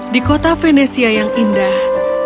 di kota venesia yang indah